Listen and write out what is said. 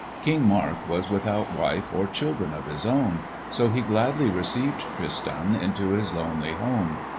King Mark was without wife or children of his own, so he gladly received Tristan into his lonely home.